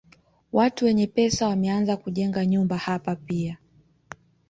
Watu wenye pesa wameanza kujenga nyumba hapa pia.